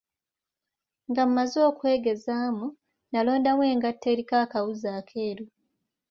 Nga mazze okwegezaamu, nalondamu engatto eriko akawuzi akeeru.